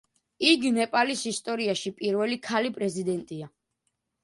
იგი ნეპალის ისტორიაში პირველი ქალი პრეზიდენტია.